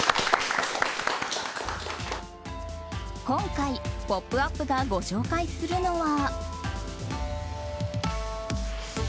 今回「ポップＵＰ！」がご紹介するのは。